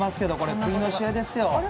次の試合ですよ。